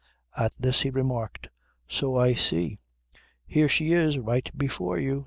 At this he remarked: "So I see. Here she is, right before you.